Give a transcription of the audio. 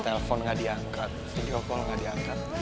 telepon nggak diangkat video call nggak diangkat